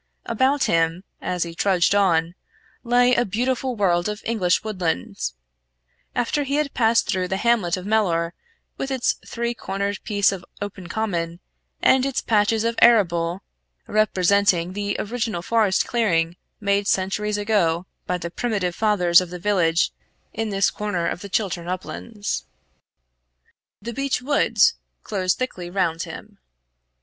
About him, as he trudged on, lay a beautiful world of English woodland. After he had passed through the hamlet of Mellor, with its three cornered piece of open common, and its patches of arable representing the original forest clearing made centuries ago by the primitive fathers of the village in this corner of the Chiltern uplands the beech woods closed thickly round him.